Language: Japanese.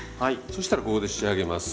そしたらここで仕上げます。